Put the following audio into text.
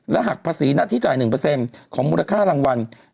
แล้วหักภาษีหน้าที่จ่าย๑เปอร์เซ็นต์ของมูลค่ารางวัล